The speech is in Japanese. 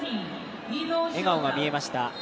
笑顔が見えました。